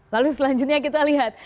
lalu selanjutnya kita lihat